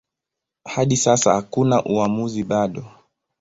Hadi sasa hakuna uamuzi bado.